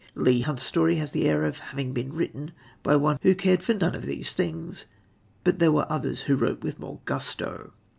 Leigh Hunt's story has the air of having been written by one who cared for none of these things; but there were others who wrote with more gusto.